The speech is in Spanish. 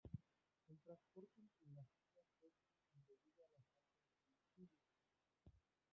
El transporte entre las islas fue difícil debido a la falta de combustible.